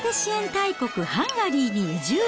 大国ハンガリーに移住。